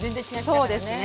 そうですね。